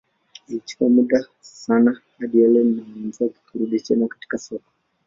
Ilichukua muda sana hadi Ellen na mwenzake kurudi tena katika soko.